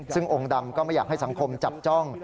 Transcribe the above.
ซึ่งองค์ดำก็ไม่อยากให้สังคมจับจ้อง